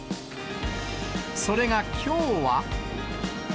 それがきょうは。